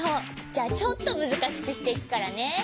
じゃあちょっとむずかしくしていくからね。